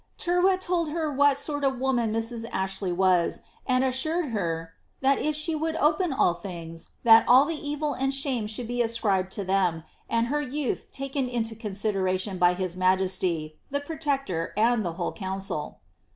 "' Tyrwhit told her what sort of a woman Mrs. Ashley was, and assured her ^ that if she would open all things, that all the evil and shame should be ascribed to them, and her youth taken into consideration by his majesty, the protector, and tlie whole council."